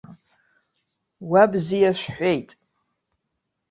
Уа бзиа шәҳәеит.